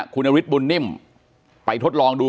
คุณนฤทธบุญนิ่มไปทดลองดู